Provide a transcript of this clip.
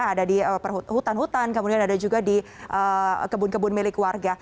ada di hutan hutan kemudian ada juga di kebun kebun milik warga